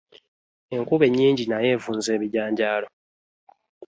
Enkuba ennyingi nayo evunza ebijanjaalo.